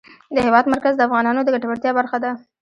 د هېواد مرکز د افغانانو د ګټورتیا برخه ده.